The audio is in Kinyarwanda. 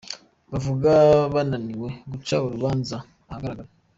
bavuga bananiwe guca urubanza. Ahagarara